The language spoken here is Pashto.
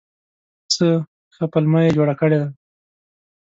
څه ښه پلمه یې جوړه کړې ده !